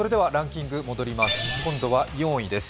今度は４位です